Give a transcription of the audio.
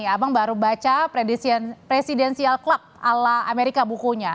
abang baru baca predisi presidensial club ala amerika bukunya